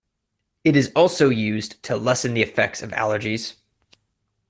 It is also used to lessen the effects of allergies.